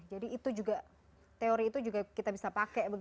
jadi itu juga teori itu juga kita bisa pakai begitu ya